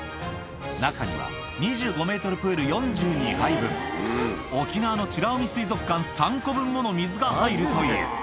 中には、２５メートルプール４２杯分、沖縄の美ら海水族館３個分もの水が入るという。